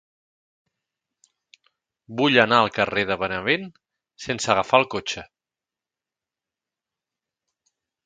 Vull anar al carrer de Benavent sense agafar el cotxe.